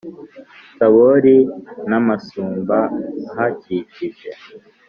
Tabori n’amasambu ahakikije